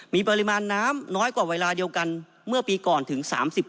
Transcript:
มีปริมาณน้ำน้อยกว่าเวลาเดียวกันเมื่อปีก่อนถึง๓๐